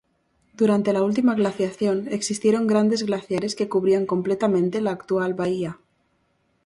Durante la última glaciación, existieron grandes glaciares que cubrían completamente la actual bahía.